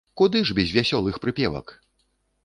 Куды ж без вясёлых прыпевак!